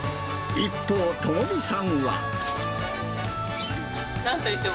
一方、友美さんは。